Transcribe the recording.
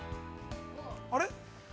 あれ？